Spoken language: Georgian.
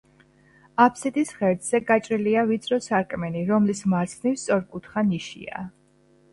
აბსიდის ღერძზე გაჭრილია ვიწრო სარკმელი, რომლის მარცხნივ სწორკუთხა ნიშია.